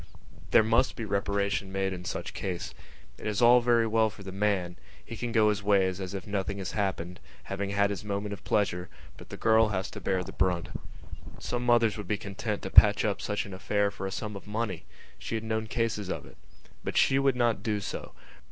There must be reparation made in such cases. It is all very well for the man: he can go his ways as if nothing had happened, having had his moment of pleasure, but the girl has to bear the brunt. Some mothers would be content to patch up such an affair for a sum of money; she had known cases of it. But she would not do so.